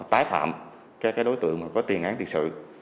tái phạm các đối tượng có tiền án tiền sự